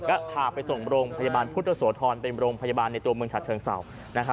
ก็พาไปส่งโรงพยาบาลพุทธโสธรเป็นโรงพยาบาลในตัวเมืองฉัดเชิงเศร้า